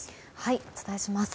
お伝えします。